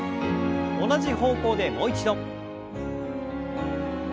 同じ方向でもう一度。